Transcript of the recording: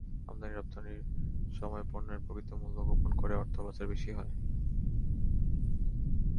আমদানি-রপ্তানির সময় পণ্যের প্রকৃত মূল্য গোপন করে অর্থ পাচার বেশি হয়।